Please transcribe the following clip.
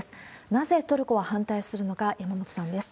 なぜトルコは反対するのか、山本さんです。